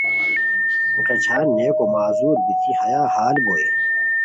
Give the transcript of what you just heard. غیچھان نیکو معذور بیتی ہیا ہال بوئے